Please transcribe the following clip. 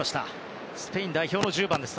スペイン代表の１０番です。